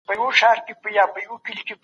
موږ د مڼې د اوبو په څښلو بوخت یو.